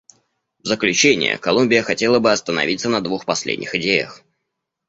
В заключение Колумбия хотела бы остановиться на двух последних идеях.